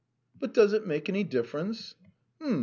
"But does it make any difference?" "Hm!